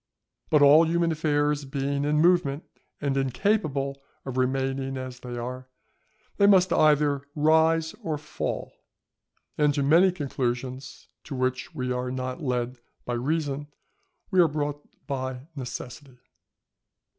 But all human affairs being in movement, and incapable of remaining as they are, they must either rise or fall; and to many conclusions to which we are not led by reason, we are brought by necessity.